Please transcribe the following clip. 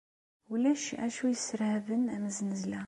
Ulac acu yesserhaben am zznezla.